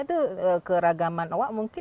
itu keragaman oha mungkin